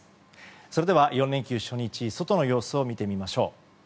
それでは４連休初日外の様子を見てみましょう。